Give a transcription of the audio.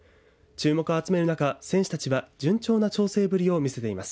注目を集める中、選手たちは順調な調整ぶりを見せています。